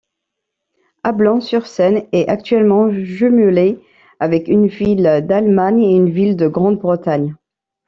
Ablon-sur-Seine est actuellement jumelée avec une ville d'Allemagne et une ville de Grande-Bretagne.